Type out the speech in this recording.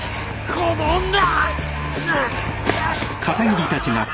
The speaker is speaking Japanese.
この女！